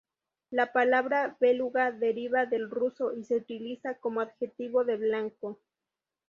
La palabra beluga deriva del ruso y se utiliza como adjetivo de blanco.